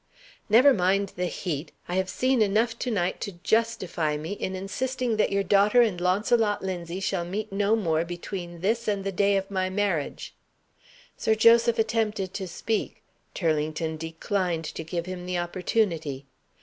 "Never mind the heat! I have seen enough to night to justify me in insisting that your daughter and Launcelot Linzie shall meet no more between this and the day of my marriage." Sir Joseph attempted to speak. Turlington declined to give him the opportunity.